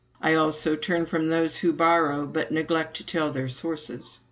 I also turn from those who borrow, but neglect to tell their sources.